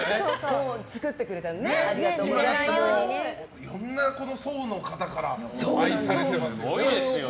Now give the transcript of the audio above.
今だって、いろんな層の方から愛されてますよね。